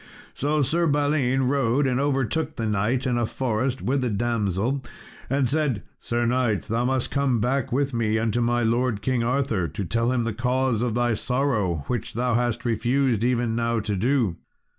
So Sir Balin rode and overtook the knight in a forest with a damsel, and said, "Sir knight, thou must come back with me unto my lord, King Arthur, to tell him the cause of thy sorrow, which thou hast refused even now to do."